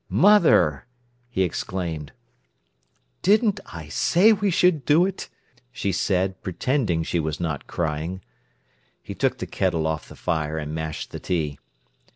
"Mother!" he exclaimed. "Didn't I say we should do it!" she said, pretending she was not crying. He took the kettle off the fire and mashed the tea.